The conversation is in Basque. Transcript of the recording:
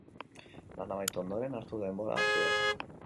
Lana amaitu ondoren, hartu denbora zuretzat.